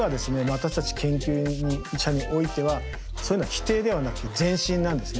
私たち研究者においてはそういうのは否定ではなくて前進なんですね。